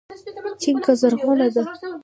چينکه زرغونه ده